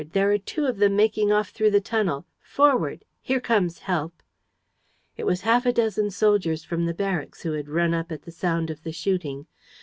There are two of them making off through the tunnel! Forward! Here comes help!" It was half a dozen soldiers from the barracks, who had run up at the sound of the shooting.